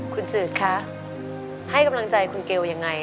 คุณจืดคะให้กำลังใจคุณเกลยังไง